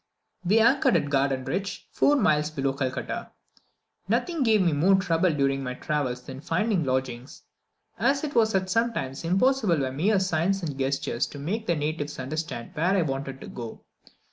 We anchored at Gardenrich, four miles below Calcutta. Nothing gave me more trouble during my travels than finding lodgings, as it was sometimes impossible by mere signs and gestures to make the natives understand where I wanted to go.